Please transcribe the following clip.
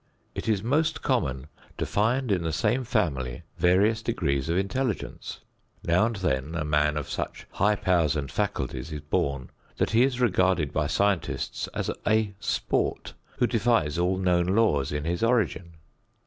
It is most common to find in the same family various degrees of intelligence. Now and then a man of such high powers and faculties is born that he is regarded by scientists as a "sport" who defies all known laws in his origin.